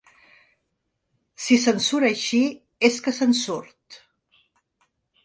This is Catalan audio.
Si se'n surt així és que se'n surt.